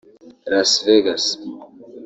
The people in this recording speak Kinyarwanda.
Las Vegas